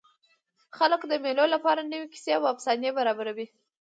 خلک د مېلو له پاره نوي کیسې او افسانې برابروي.